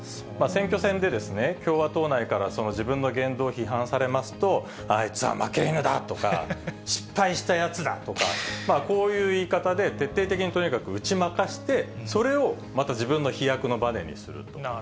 選挙戦でですね、共和党内から自分の言動を批判されますと、あいつは負け犬だとか、失敗したやつだとか、こういう言い方で、徹底的にとにかく打ち負かして、それをまた自分の飛躍のばねにすると。